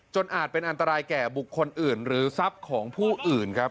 อาจเป็นอันตรายแก่บุคคลอื่นหรือทรัพย์ของผู้อื่นครับ